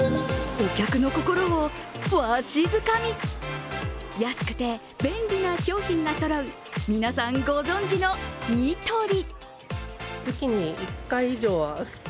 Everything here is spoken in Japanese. お客の心をわしづかみ。安くて便利な商品がそろう皆さん、ご存じのニトリ。